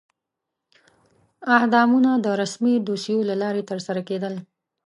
اعدامونه د رسمي دوسیو له لارې ترسره کېدل.